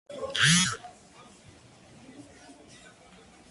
Miguel Ángel concentró su atención en la descripción del dolor y del sufrimiento.